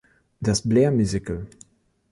Das Blair Musical.